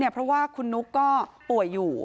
เพราะว่าคุณนุ๊กก็ป่วยอยู่